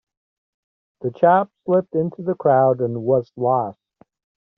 The chap slipped into the crowd and was lost.